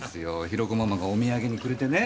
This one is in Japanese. ヒロコママがお土産にくれてね。